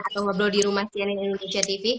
atau ngobrol di rumah cnn indonesia tv